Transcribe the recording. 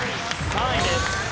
３位です。